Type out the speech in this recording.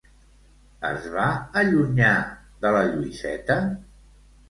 Es va allunyar de la Lluïseta?